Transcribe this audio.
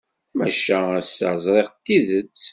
Maca ass-a ẓriɣ tidet.